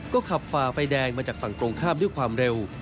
ก็ขับฝ่าไฟแดงมาจากฝั่งตรงข้ามด้วยความเร็ว